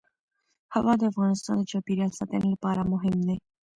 هوا د افغانستان د چاپیریال ساتنې لپاره مهم دي.